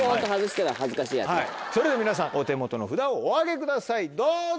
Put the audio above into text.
それでは皆さんお手元の札をお上げくださいどうぞ！